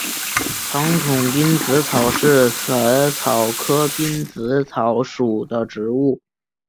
长筒滨紫草是紫草科滨紫草属的植物。